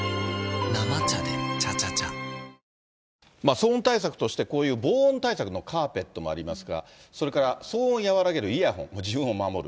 騒音対策として、こういう防音対策のカーペットもありますが、それから騒音を和らげるイヤホン、自分を守る。